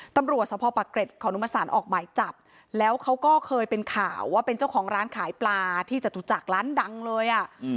ตำรวจสภปะเกร็ดขอนุมสารออกหมายจับแล้วเขาก็เคยเป็นข่าวว่าเป็นเจ้าของร้านขายปลาที่จตุจักรร้านดังเลยอ่ะ